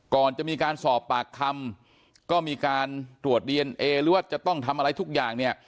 ก่อนจะมีการสอบปากคำก็มีการตรวจดีเอนเอหรือว่าจะต้องทำอะไรทุกอย่างเนี่ย